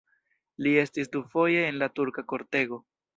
Li estis dufoje en la turka kortego.